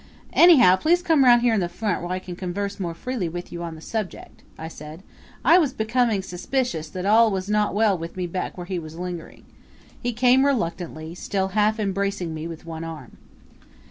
"Anyhow, please come round here in front where I can converse more freely with you on the subject," I said. I was becoming suspicious that all was not well with me back there where he was lingering. He came reluctantly, still half embracing me with one arm.